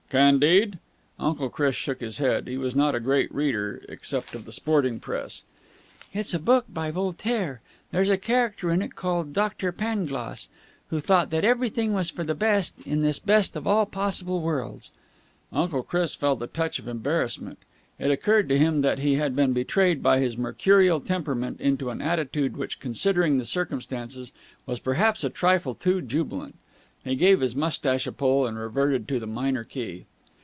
"'Candide'?" Uncle Chris shook his head. He was not a great reader, except of the sporting press. "It's a book by Voltaire. There's a character in it called Doctor Pangloss, who thought that everything was for the best in this best of all possible worlds." Uncle Chris felt a touch of embarrassment. It occurred to him that he had been betrayed by his mercurial temperament into an attitude which, considering the circumstances, was perhaps a trifle too jubilant. He gave his moustache a pull, and reverted to the minor key.